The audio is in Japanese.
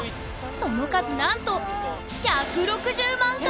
その数なんと１６０万回以上！